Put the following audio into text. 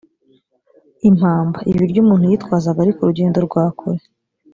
impamba: ibiryo umuntu yitwazaga ari ku rugendo rwa kure.